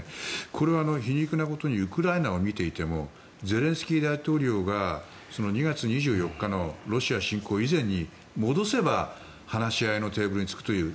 これは皮肉なことにウクライナを見ていてもゼレンスキー大統領が２月２４日のロシア侵攻以前に戻せば話し合いのテーブルに着くという。